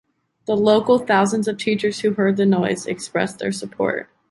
The local thousands of teachers who heard the noise expressed their support.